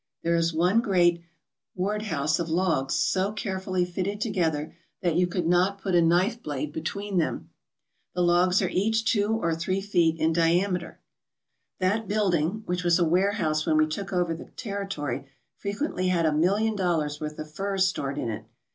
There is one great warjl 33 ALASKA OUR NORTHERN WONDERLAND house of logs so carefully fitted together that you could not put a knife blade between them. The logs are each two or three feet in diameter. That building, which was a warehouse when we took over the territory, frequently had a million dollars' worth of furs stored in it.